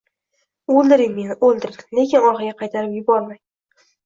O`ldiring meni, o`ldiring, lekin orqaga qaytarib yubormang